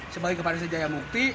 sebagai kepala desa jaya mukti